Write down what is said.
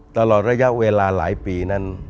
ตลอดระยะเวลาหลายปีนั้น